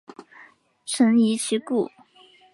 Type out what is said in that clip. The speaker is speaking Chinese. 臣疑其故。